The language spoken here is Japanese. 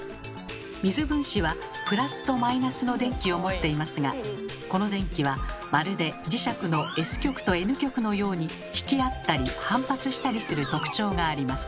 水分子はプラスとマイナスの電気を持っていますがこの電気はまるで磁石のＳ極とＮ極のように引き合ったり反発したりする特徴があります。